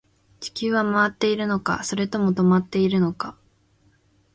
地球は回っているのか、それとも止まっているのか